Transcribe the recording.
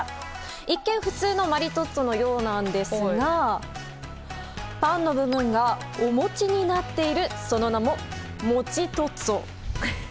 一見、普通のマリトッツォのようなんですがパンの部分がお餅になっているその名もモチトッツォ。